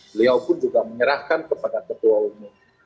beliau pun juga menyerahkan kepada ketua umum